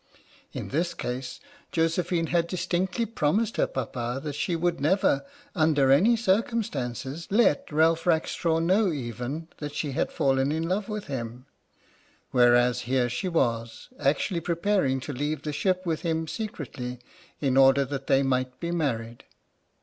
In this case, Josephine had distinctly promised her Papa that she would never, under any circumstances, let Ralph Rackstraw know even that she had fallen in love with him, whereas here she was, actually preparing to leave the ship with him secretly in order that they might be married!